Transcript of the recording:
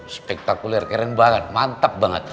spektakuler keren banget mantap banget